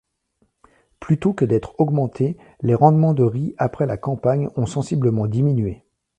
Plutôt que d'être augmentés, les rendements de riz après la campagne ont sensiblement diminué.